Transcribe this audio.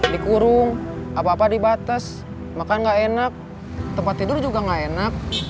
dikurung apa apa dibatas makan gak enak tempat tidur juga gak enak